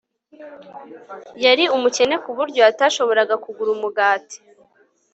Yari umukene ku buryo atashoboraga kugura umugati